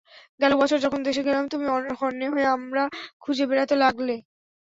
গেল বছর যখন দেশে গেলাম তুমি হন্যে হয়ে আমড়া খুঁজে বেড়াতে লাগলে।